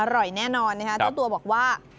อร่อยแน่นอนนะคะเจ้าตัวบอกว่า